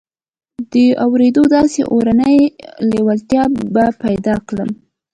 د اورېدو داسې اورنۍ لېوالتیا به پيدا کړم.